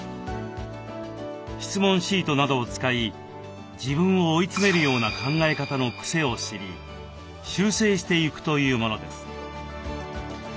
質問シートなどを使い自分を追い詰めるような考え方のクセを知り修正していくというものです。